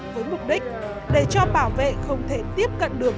với mục đích để cho bảo vệ không thể tiếp cận được